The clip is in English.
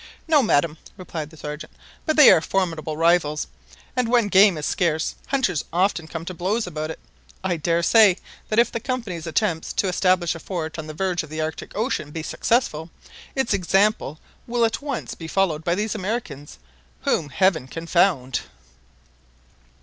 "No, madam," replied the Sergeant; "but they are formidable rivals, and when game is scarce, hunters often come to blows about it. I daresay that if the Company's attempt to establish a fort on the verge of the Arctic Ocean be successful, its example will at once be followed by these Americans, whom Heaven confound!"